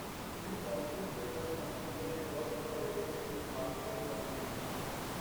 He is also feared by some people and works for Apex with Margaret Cunningham.